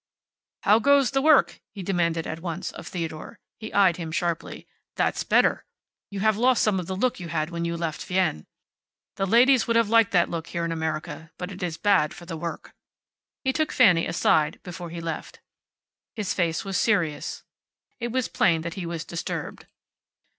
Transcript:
"How goes the work?" he demanded at once, of Theodore. He eyed him sharply. "That's better. You have lost some of the look you had when you left Wien. The ladies would have liked that look, here in America. But it is bad for the work." He took Fanny aside before he left. His face was serious. It was plain that he was disturbed.